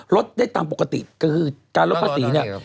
ลดได้ตามปกติคือการลดภาษีเนี่ย